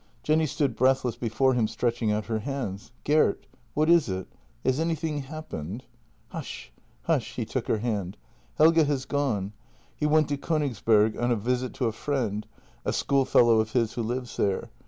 Jenny stood breathless before him, stretching out her hands: " Gert — what is it? — has anything happened?" "Hush, hush! " He took her hand. "Helge has gone — he went to Kongsberg on a visit to a friend — a schoolfellow of his who lives there.